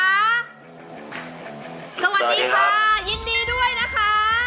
สวัสดีค่ะยินดีด้วยนะคะ